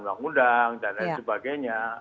undang undang dan lain sebagainya